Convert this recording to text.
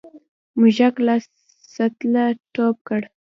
موږک له سطله ټوپ کړ.